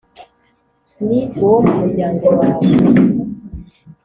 ni uwo mu muryango wawe.